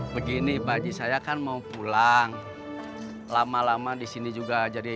begini pak haji saya kan mau pulang lama lama disini juga jadi